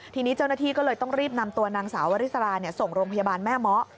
ทีนี้เจ้าหน้าที่ก็เลยต้องรีบนำตัวนางสาววริสราส่งโรงพยาบาลแม่เมาะ